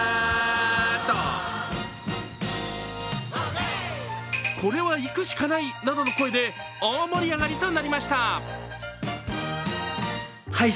例えばこれは行くしかないなどの声で大盛り上がりとなりました。